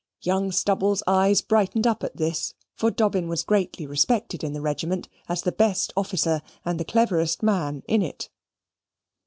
Young Stubble's eyes brightened up at this, for Dobbin was greatly respected in the regiment, as the best officer and the cleverest man in it.